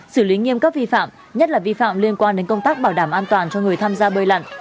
xử lý nghiêm các vi phạm nhất là vi phạm liên quan đến công tác bảo đảm an toàn cho người tham gia bơi lặn